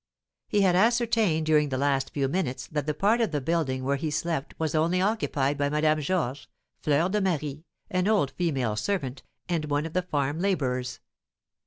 He had ascertained during the last few minutes that the part of the building where he slept was only occupied by Madame Georges, Fleur de Marie, an old female servant, and one of the farm labourers.